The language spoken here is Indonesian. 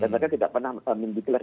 dan mereka tidak pernah mendiklar